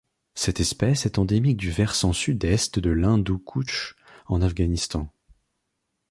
Cette espèce est endémique du versant Sud-Est de l'Hindou Kouch en Afghanistan.